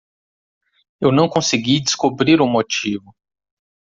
Eu não consegui descobrir o motivo.